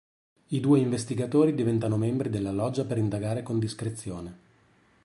I due investigatori diventano membri della loggia per indagare con discrezione.